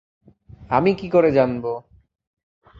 আমি কী করে জানবো?